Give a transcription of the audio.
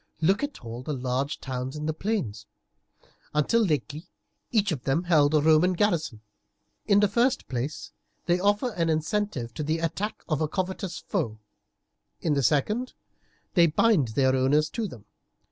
Look at all the large towns in the plains; until lately each of them held a Roman garrison. In the first place, they offer an incentive to the attack of a covetous foe; in the second, they bind their owners to them.